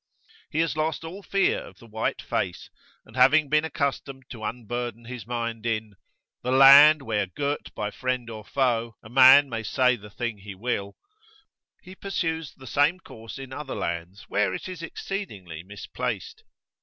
He has lost all fear of the white face, and having been accustomed to unburden his mind in "The land where, girt by friend or foe, A man may say the thing he will," he pursues the same course in other lands where it is exceedingly misplaced.